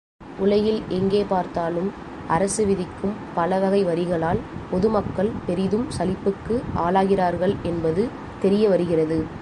உலகில் எங்கே பார்த்தாலும் அரசு விதிக்கும் பல வகை வரிகளால் பொதுமக்கள் பெரிதும் சலிப்புக்கு ஆளாகிறார்கள் என்பது தெரியவருகிறது.